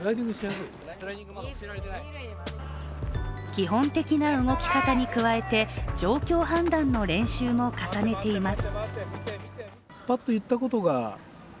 基本的な動き方に加えて状況判断の練習も重ねています。